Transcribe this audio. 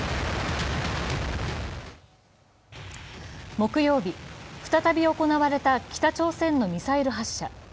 木曜日、再び行われた北朝鮮のミサイル発射。